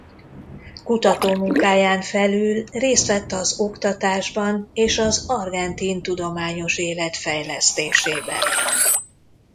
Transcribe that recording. Kutatómunkáján felül részt vett az oktatásban és az argentin tudományos élet fejlesztésében.